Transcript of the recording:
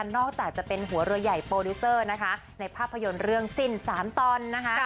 นอกจากจะเป็นหัวเรือใหญ่โปรดิวเซอร์นะคะในภาพยนตร์เรื่องสิ้น๓ตอนนะคะ